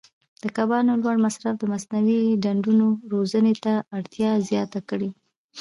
د کبانو لوړ مصرف د مصنوعي ډنډونو روزنې ته اړتیا زیاته کړې.